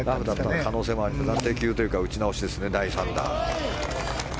暫定球というか打ち直しですね第３打。